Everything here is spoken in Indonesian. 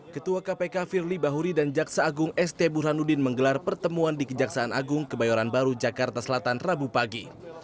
ketua kpk firly bahuri dan jaksa agung st burhanuddin menggelar pertemuan di kejaksaan agung kebayoran baru jakarta selatan rabu pagi